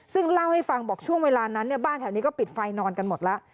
ซึ่งเล่าให้ฟังบอกช่วงเวลานั้นเนี่ยบ้านแถวนี้ก็ปิดไฟนอนกันหมดแล้ว